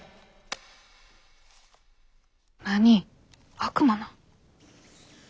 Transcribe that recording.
悪魔なん？